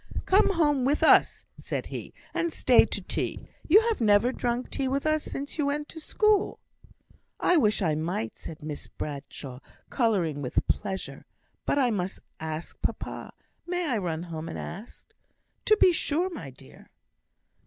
"Come home with us," said he, "and stay to tea. You have never drank tea with us since you went to school." "I wish I might," said Miss Bradshaw, colouring with pleasure. "But I must ask papa. May I run home and ask?" "To be sure, my dear!"